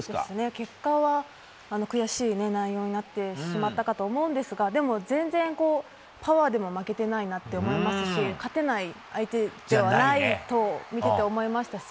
結果は悔しい内容になってしまったかと思いますがでも全然、パワーでは負けていないなって思いますし勝てない相手ではないと見ていて思いましたし。